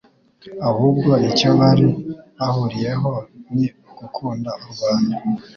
ahubwo icyo bari bahuriyeho ni ugukunda u Rwanda.